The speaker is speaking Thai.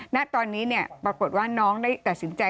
ณตอนนี้ปรากฏว่าน้องได้ตัดสินใจ